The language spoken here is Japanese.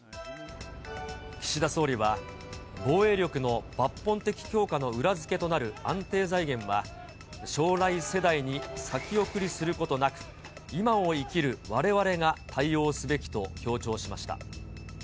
岸田総理は、防衛力の抜本的強化の裏付けとなる安定財源は、将来世代に先送りすることなく、今を生きるわれわれが対応すべきと強調しました。